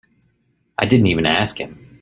I didn't even ask him.